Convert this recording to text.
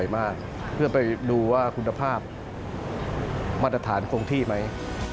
มันอันฐานควงที่ไหม